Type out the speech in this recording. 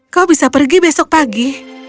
kau bisa pergi besok pagi